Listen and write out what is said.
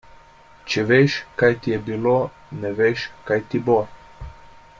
Če veš, kaj ti je bilo, ne veš, kaj ti bo.